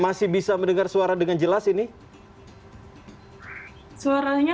masih bisa mendengar suara dengan jelas ini suaranya